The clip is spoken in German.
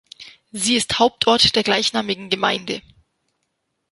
Sie ist Hauptort der gleichnamigen Gemeinde.